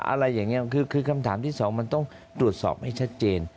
อะไรอย่างนี้คือคำถามที่สองมันต้องตรวจสอบให้ชัดเจน